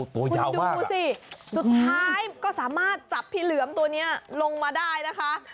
ตัวใหญ่ดูสิสุดท้ายก็สามารถจับพี่เหลือมตัวนี้ลงมาได้นะคะ